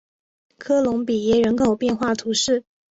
科隆比耶人口变化图示